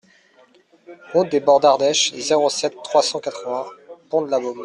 Route des Bords d'Ardèche, zéro sept, trois cent quatre-vingts Pont-de-Labeaume